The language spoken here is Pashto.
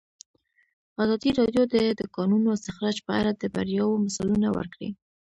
ازادي راډیو د د کانونو استخراج په اړه د بریاوو مثالونه ورکړي.